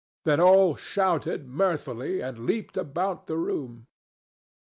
Then all shouted mirthfully and leaped about the room.